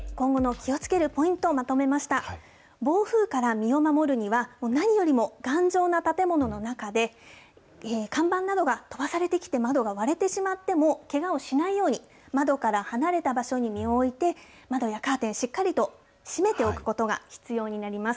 身を守るには、もう何よりも頑丈な建物の中で、看板などが飛ばされてきて窓が割れてしまっても、けがをしないように、窓から離れた場所に身を置いて、窓やカーテン、しっかりと閉めておくことが必要になります。